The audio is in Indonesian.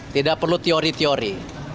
tidak perlu teori teori